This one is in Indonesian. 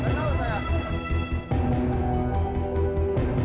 nggak tahu pak